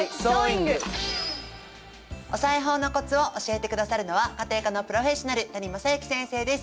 お裁縫のコツを教えてくださるのは家庭科のプロフェッショナル谷昌之先生です。